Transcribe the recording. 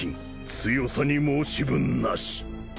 強さに申し分なし！